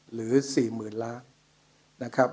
หรือ๔๐๐๐ล้านนะครับ